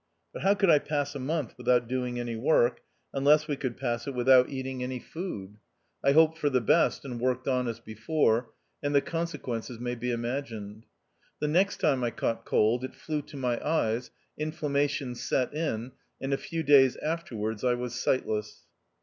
But how could I pass a month without doing any work, unless we could pass it without 1 86 THE OUTCAST. eating any food ? I hoped for the best and worked on as before ; and the consequences may be imagined. The next time I caught cold, it flew to my eyes, inflammation set in, and a few days afterwards I was sightless.